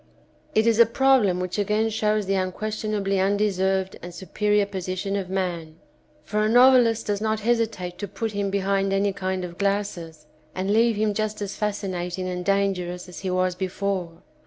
It is a problem which again shows the unquestionably undeserved and superior position of man, for a novelist does not hesitate to put him behind any kind of glasses, and leave him just as fascinating and dangerous as he was before.